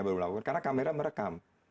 karena kamera merekam